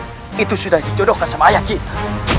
kita dari kecil itu sudah dicodohkan sama ayah kita